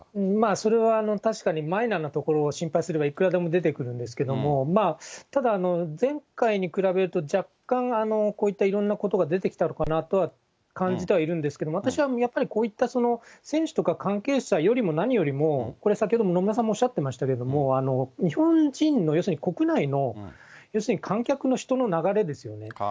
それは確かに、マイナなことを心配すればいくらでも出てくるんですけども、ただ前回に比べると、若干、こういったいろんなことが出てきたのかなとは感じてはいるんですけども、私はやっぱりこういった、選手とか関係者よりも、何よりも、これ先ほど、野村さんもおっしゃってましたけれども、日本人の、要するに国内の、要するに観客の人の流れですよね。